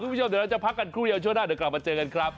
คุณผู้ชมเดี๋ยวเราจะพักกันครู่เดียวช่วงหน้าเดี๋ยวกลับมาเจอกันครับ